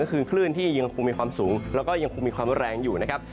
ก็คือคลื่นที่ยังคงมีความสูงแล้วก็ยังคงมีความแรงอยู่นะครับ